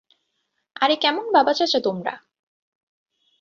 আরে কেমন বাবা- চাচা তোমরা?